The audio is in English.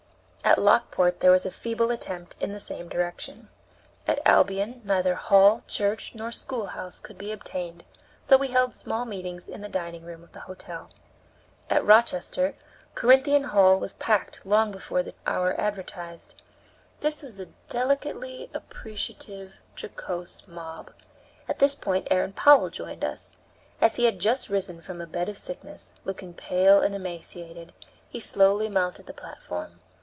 At Lockport there was a feeble attempt in the same direction. At Albion neither hall, church, nor schoolhouse could be obtained, so we held small meetings in the dining room of the hotel. At Rochester, Corinthian Hall was packed long before the hour advertised. This was a delicately appreciative, jocose mob. At this point Aaron Powell joined us. As he had just risen from a bed of sickness, looking pale and emaciated, he slowly mounted the platform.